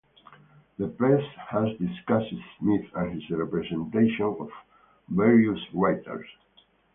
The press has discussed Smith and his representation of various writers.